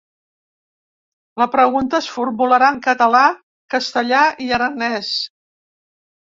La pregunta es formularà en català, castellà i aranès.